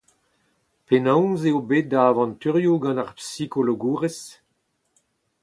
Penaos eo bet da avanturioù gant ar psychologourez ?